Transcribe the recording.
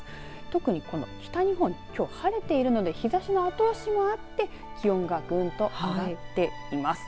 特にこの北日本、きょう晴れているので日ざしの後押しもあって気温がぐんと上がっています。